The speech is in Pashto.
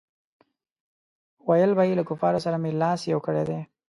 ویل به یې له کفارو سره مې لاس یو کړی دی.